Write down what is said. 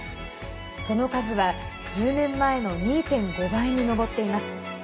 その数は１０年前の２．５倍に上っています。